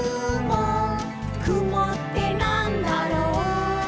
「くもってなんだろう？」